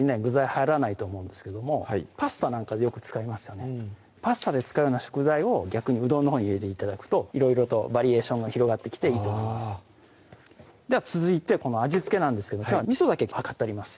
入らないと思うんですけどもパスタなんかでよく使いますよねパスタで使うような食材を逆にうどんのほうに入れて頂くといろいろとバリエーションが広がってきていいと思いますでは続いてこの味付けなんですけどみそだけ量ってあります